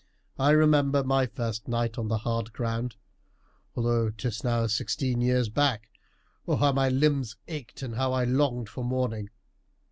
I remember my first night on the hard ground, although 'tis now sixteen years back, how my limbs ached and how I longed for morning.